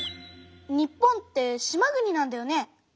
日本って島国なんだよね。